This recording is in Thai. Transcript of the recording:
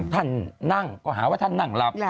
ท่านนั่งก็หาว่าท่านนั่งหลับ